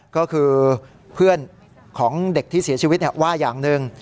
ก็คือเพื่อนของเด็กที่เสียชีวิตว่าอย่างหนึ่ง